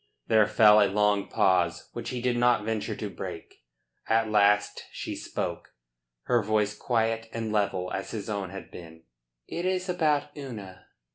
There fell a long pause, which he did not venture to break. At last she spoke, her voice quiet and level as his own had been. "It is about Una."